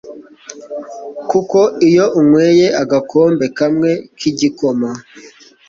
kuko iyo unyweye agakombe kamwe k'igikoma